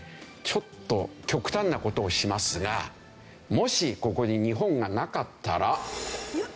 ちょっと極端な事をしますがもしここに日本がなかったら。